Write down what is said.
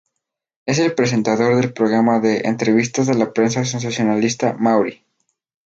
Es el presentador del programa de entrevistas de la prensa sensacionalista "Maury".